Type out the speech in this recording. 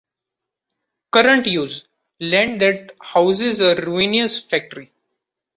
Current Use: Land that houses a ruinous factory.